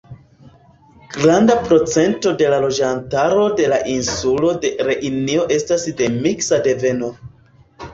Granda procento de la loĝantaro de la insulo de Reunio estas de miksa deveno.